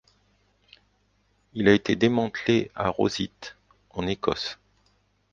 Il a été démantelé à Rosyth en Écosse.